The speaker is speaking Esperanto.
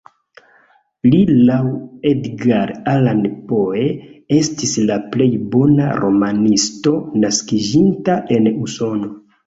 Li laŭ Edgar Allan Poe estis la plej bona romanisto naskiĝinta en Usono.